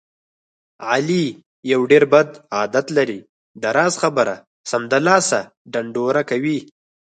علي یو ډېر بد عادت لري. د راز خبره سمدلاسه ډنډوره کوي.